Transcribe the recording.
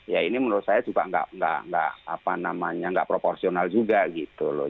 ya ini menurut saya juga nggak apa namanya nggak proporsional juga gitu loh